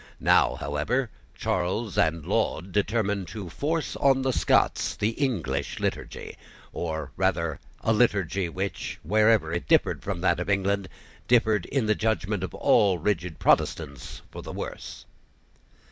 Now, however, Charles and Laud determined to force on the Scots the English liturgy, or rather a liturgy which, wherever it differed from that of England, differed, in the judgment of all rigid Protestants, for the worse.